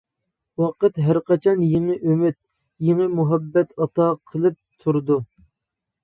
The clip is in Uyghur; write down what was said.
ۋاقىت ھەرقاچان يېڭى ئۈمىد، يېڭى مۇھەببەت ئاتا قىلىپ تۇرىدۇ.